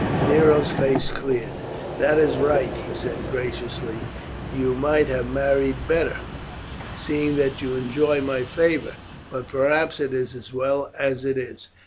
Nero's face cleared. "That is right," he said graciously. "You might have married better, seeing that you enjoy my favour; but perhaps it is as well as it is.